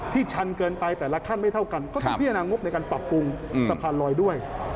ชันเกินไปแต่ละขั้นไม่เท่ากันก็ต้องพิจารณางบในการปรับปรุงสะพานลอยด้วย